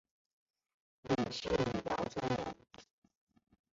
李迅李姚村人。